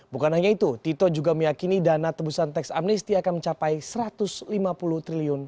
bukan hanya itu tito juga meyakini dana tebusan teks amnesti akan mencapai rp satu ratus lima puluh triliun